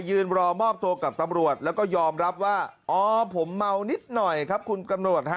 ยืนรอมอบตัวกับตำรวจแล้วก็ยอมรับว่าอ๋อผมเมานิดหน่อยครับคุณตำรวจฮะ